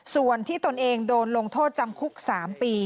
ส่วนที่ตนเองโดนลงโทษจำคุก๓ปี